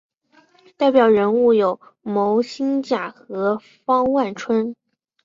代表人物有牟兴甲和方万春。